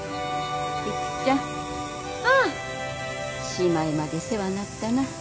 しまいまで世話なったな。